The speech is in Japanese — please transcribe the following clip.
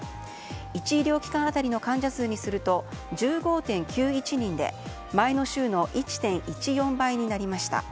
１医療機関当たりの患者数にすると１５．９１人で前の週の１．１４倍になりました。